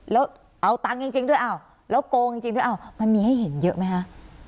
แล้วเอาตังค์จริงด้วยอ้าวแล้วโกงจริงด้วยอ้าวมันมีให้เห็นเยอะไหมคะ